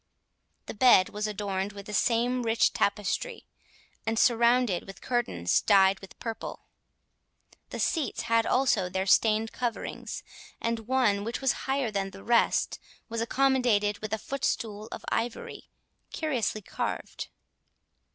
The bed was adorned with the same rich tapestry, and surrounded with curtains dyed with purple. The seats had also their stained coverings, and one, which was higher than the rest, was accommodated with a footstool of ivory, curiously carved.